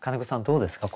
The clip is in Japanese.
どうですか？